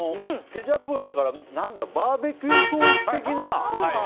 ケチャップがあるからバーベキューソース的な。